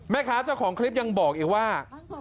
แม่ค้าเจ้าของคลิปยังบอกอีกว่า